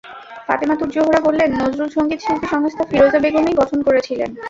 ফাতেমা তুজ জোহরা বললেন, নজরুলসংগীত শিল্পী সংস্থা ফিরোজা বেগমই গঠন করেছিলেন।